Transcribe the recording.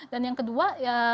dan yang kedua